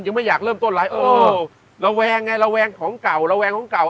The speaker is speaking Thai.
ยังไม่อยากเริ่มต้นอะไรเออระแวงไงระแวงของเก่าระแวงของเก่า